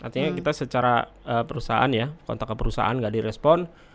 contak secara perusahaan ya kontak ke perusahaan enggak direspon